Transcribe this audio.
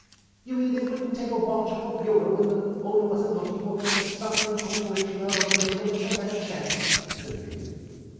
"You mean they wouldn't take a watch off a bureau when the owner wasn't looking, or beat a suffering corporation out of a nickel if they had a chance?" said the Idiot.